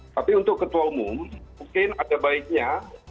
tapi untuk ketua umum mungkin ada baiknya